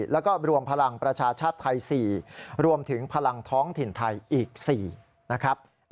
แล้วก็รวมพลังประชาชาติไทย๔รวมถึงพลังท้องถิ่นไทยอีก๔นะครับ